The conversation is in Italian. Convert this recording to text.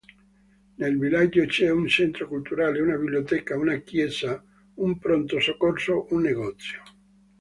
Nel villaggio c'è un centro culturale, una biblioteca, una chiesa, un pronto soccorso, un negozio.